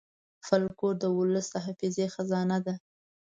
فلکور د ولس د حافظې خزانه ده.